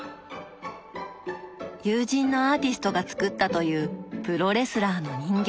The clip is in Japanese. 友人のアーティストが作ったというプロレスラーの人形。